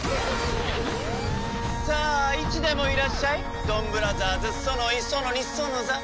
さあいつでもいらっしゃいドンブラザーズソノイソノニソノザ。